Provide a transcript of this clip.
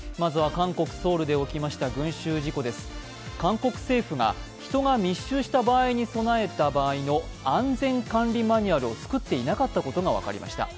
韓国政府が人が密集した場合に備えた場合の安全管理マニュアルをつくっていなかったことが分かりました。